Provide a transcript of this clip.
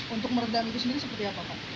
untuk meredam itu sendiri seperti apa pak